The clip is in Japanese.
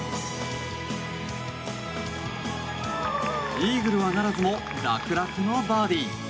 イーグルはならずも楽々のバーディー。